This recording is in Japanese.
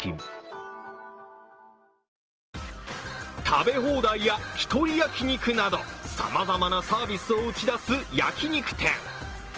食べ放題や一人焼肉などさまざまなサービスを打ち出す焼き肉店。